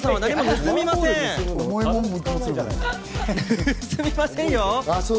盗みませんよ。